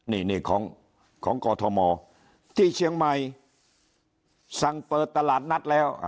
นี่นี่ของกอทมที่เชียงใหม่สั่งเปิดตลาดนัดแล้ว